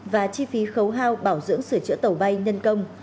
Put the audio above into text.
và chi phí khấu hao bảo dưỡng sửa chữa tàu bay nhân công